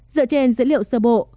dựa trên dữ liệu sơ bộ